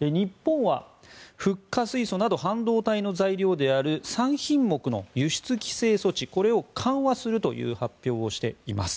日本はフッ化水素など半導体の材料である３品目の輸出規制措置を緩和するという発表をしています。